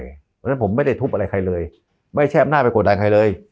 เพราะฉะนั้นผมไม่ได้ทุบอะไรใครเลยไม่ใช่อำนาจไปกดดันใครเลย